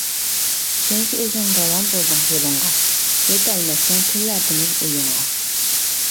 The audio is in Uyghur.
چۈنكى ئۆزۈڭ راۋان بولدۇڭ يولۇڭغا، يېتەلمەسمەن تۈنلەردىمۇ ئويۇڭغا.